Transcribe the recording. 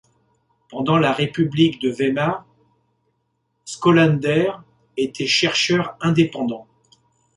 Pendant la République de Weimar, Schottlaender était chercheur indépendant.